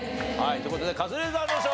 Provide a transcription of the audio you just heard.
という事でカズレーザーの勝利！